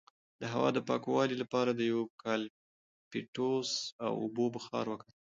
د هوا د پاکوالي لپاره د یوکالیپټوس او اوبو بخار وکاروئ